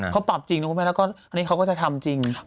เขาปรับจริงนี่เขาก็จะทำจริง